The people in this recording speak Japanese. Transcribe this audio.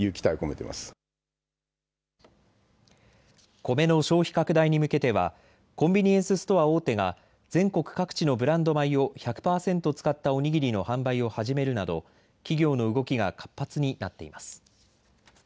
コメの消費拡大に向けてはコンビニエンスストア大手が全国各地のブランド米を１００％使ったお握りの販売を始めるなど企業の動きが活発になっています。